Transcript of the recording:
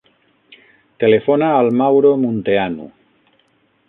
Telefona al Mauro Munteanu.